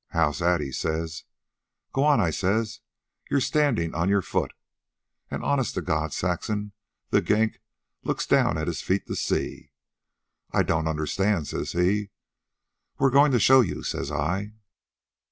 'How's that?' he says. 'Go on,' I says; 'you're standin' on your foot.' And, honest to God, Saxon, that gink looks down at his feet to see. 'I don't understand,' says he. 'We're goin' to show you,' says I.